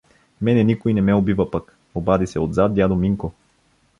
— Мене никой не ме убива пък — обади се отзад дядо Минко.